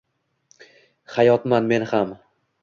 Hayotman men ham!